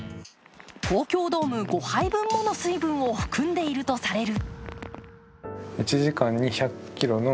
東京ドーム５杯分もの水分を含んでいるとされる。